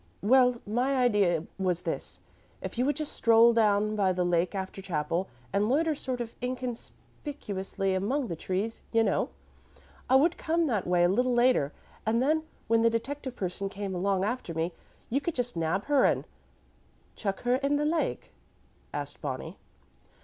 "Well, my idea was this. If you would just stroll down by the lake after chapel, and loiter sort of inconspicuously among the trees, you know, I would come that way a little later, and then, when the detective person came along after me, you could just nab her and " "Chuck her in the lake?" asked Bonnie.